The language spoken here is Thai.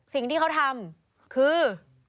สิ่งที่เขาทำคือ